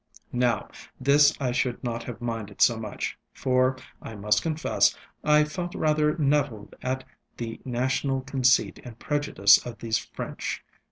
Now, this I should not have minded so much; for, I must confess, I felt rather nettled at the national conceit and prejudice of these French.